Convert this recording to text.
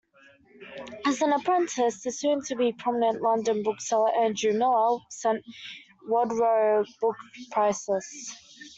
As an apprentice, the soon-to-be prominent London bookseller Andrew Millar sent Wodrow book price-lists.